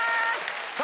さあ